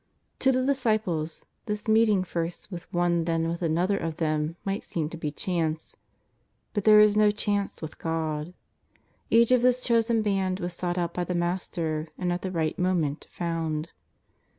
To the disciples this meeting first with one then with another of them might seem to be chance. But there is no chance w^ith God. Each of this chosen band was sought out by the Master, and at the right moment found.